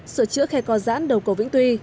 sửa chữa khe co giãn đầu cầu vĩnh tuy